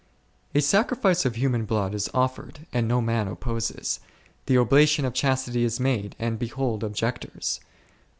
A sacrifice of human blood is offered and no man opposes ; the oblation of chastity is made, and behold objectors.